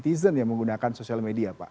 jadi apakah mereka menggunakan sosial media pak